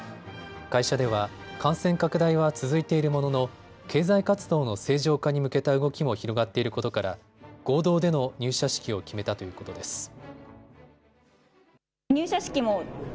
会社では感染拡大は続いているものの経済活動の正常化に向けた動きも広がっていることから合同での入社式を決めたということです。